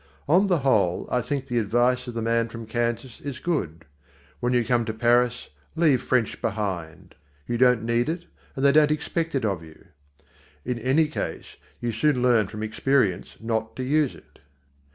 On the whole, I think the advice of the man from Kansas is good. When you come to Paris, leave French behind. You don't need it, and they don't expect it of you. In any case, you soon learn from experience not to use it.